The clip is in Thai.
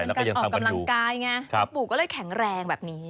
การออกกำลังกายไงคุณปู่ก็เลยแข็งแรงแบบนี้